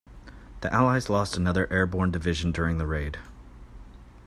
The allies lost another airborne division during the raid.